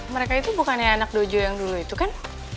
mereka itu bukannya anak dojo yang dulu itu kan